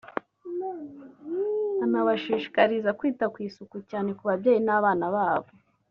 anabashishikariza kwita ku isuku cyane ku babyeyi n’abana babo